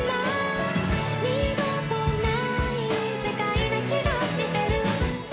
「二度とない世界な気がしてる」